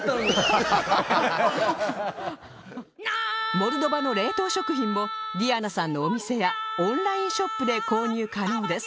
モルドバの冷凍食品もディアナさんのお店やオンラインショップで購入可能です